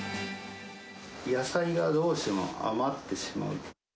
野菜がどうしても余ってしま